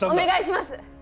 お願いします！